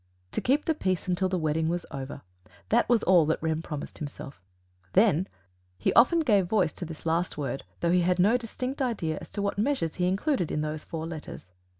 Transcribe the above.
To keep the peace until the wedding was over that was all that Rem promised himself; THEN! He often gave voice to this last word, though he had no distinct idea as to what measures he included in those four letters.